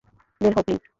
বের হও, প্লীজ।